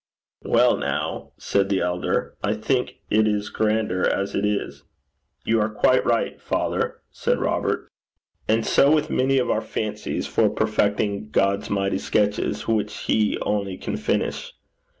'Well, now,' said the elder, 'I think it is grander as it is.' 'You are quite right, father,' said Robert. 'And so with many of our fancies for perfecting God's mighty sketches, which he only can finish.'